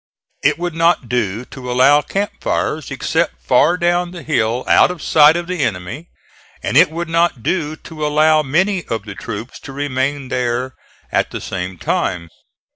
It would not do to allow camp fires except far down the hill out of sight of the enemy, and it would not do to allow many of the troops to remain there at the same time.